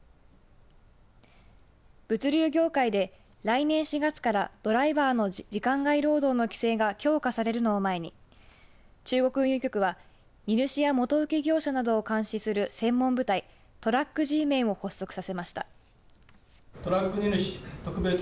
物流業界で来年４月からドライバーの時間外労働の規制が強化されるのを前に中国運輸局は荷主や元請け業者などを監視する専門部隊トラックＧメンを発足させました。